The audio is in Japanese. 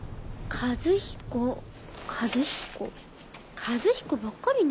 和彦ばっかりね